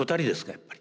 やっぱり。